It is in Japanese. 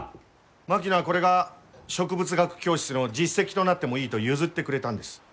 槙野はこれが植物学教室の実績となってもいいと譲ってくれたんです。